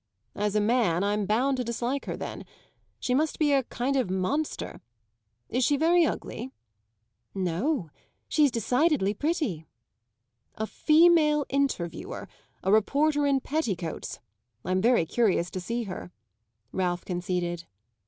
"As a man I'm bound to dislike her then. She must be a kind of monster. Is she very ugly?" "No, she's decidedly pretty." "A female interviewer a reporter in petticoats? I'm very curious to see her," Ralph conceded.